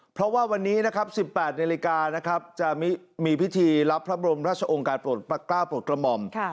เพราะว่าวันนี้๑๘นิริกาจะมีพิธีรับพระบรมราชองค์การปลดกล้าปลดกระหม่อม